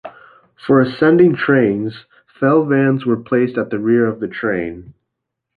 For ascending trains, Fell vans were placed at the rear of the train.